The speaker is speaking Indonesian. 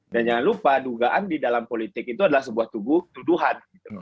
jangan lupa dugaan di dalam politik itu adalah sebuah tugu tuduhan